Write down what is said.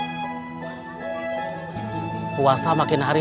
aku sudah ketawa